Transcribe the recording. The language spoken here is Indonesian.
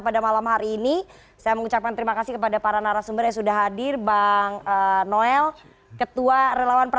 pada malam hari ini saya mengucapkan terima kasih kepada para narasumber yang sudah hadir bang noel ketua relawan